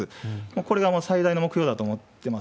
これがもう最大の目標だと思ってます。